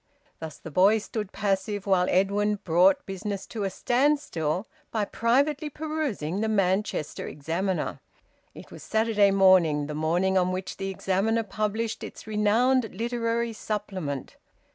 Thus the boy stood passive while Edwin brought business to a standstill by privately perusing the "Manchester Examiner." It was Saturday morning, the morning on which the "Examiner" published its renowned Literary Supplement.